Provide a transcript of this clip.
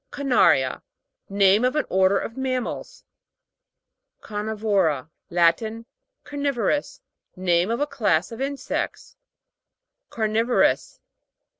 CARNA'RIA. Name of an order of mammals, CARNI'VORA. Latin. Carni'vorous. Name of a class of insects. CARNI'VOROUS.